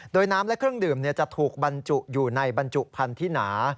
โดยน้ำและเครื่องดื่มจะถูกบรรจุอยู่ในบรรจุพันธุ์ที่หนา